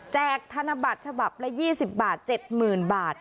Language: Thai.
ธนบัตรฉบับละ๒๐บาท๗๐๐๐บาท